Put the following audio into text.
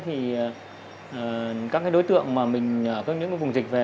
thì các cái đối tượng mà mình ở những cái vùng dịch về